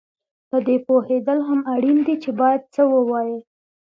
په دې پوهېدل هم اړین دي چې باید څه ووایې